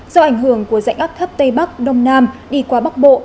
do ảnh hưởng của dạnh áp thấp tây bắc đông nam đi qua bắc bộ